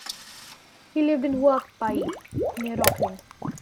He lived in Huapai near Auckland.